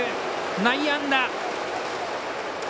内野安打。